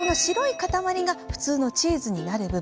この白い塊が普通のチーズになる部分。